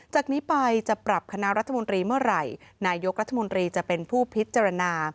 จากนี้ไปจะปรับคณะรัฐมนตรีเมื่อไหร่นายกรัฐมนตรีจะเป็นผู้พิจารณา